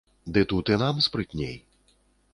Ды тут і нам спрытней.